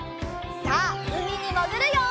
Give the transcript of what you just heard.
さあうみにもぐるよ！